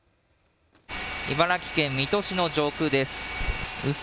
茨城県水戸市の上空です。